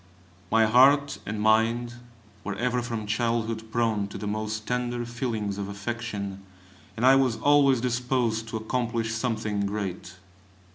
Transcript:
My heart and mind were ever from childhood prone to the most tender feelings of affection, and I was always disposed to accomplish something great.